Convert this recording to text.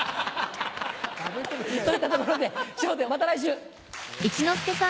といったところで『笑点』また来週。